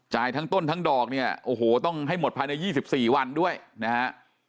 จ่ายทั้งต้นทั้งดอกเนี่ยโอ้โหต้องให้หมดภายในยี่สิบสี่วันด้วยนะฮะ